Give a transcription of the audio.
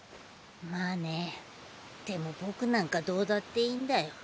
まあねでも僕なんかどうだっていいんだよ。